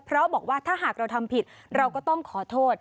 เพราะบอกว่าถ้าหากเราทำผิดเราก็ต้องขอโทษ